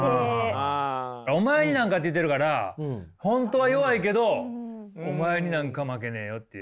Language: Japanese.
「お前になんか」って言ってるから本当は弱いけど「お前になんか負けねぇよ」っていう。